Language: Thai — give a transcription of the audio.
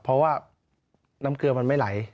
เพราะว่าน้ำเกลือมันไม่ไหล